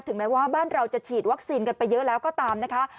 แม้ว่าบ้านเราจะฉีดวัคซีนกันไปเยอะแล้วก็ตามนะคะ